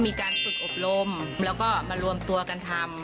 มีการฝึกอบรมแล้วก็มารวมตัวกันทำ